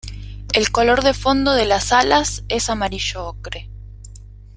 El color de fondo de las alas es amarillo ocre.